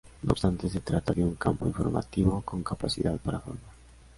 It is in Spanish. No obstante se trata de un campo informativo, con capacidad para formar.